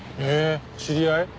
へえ知り合い？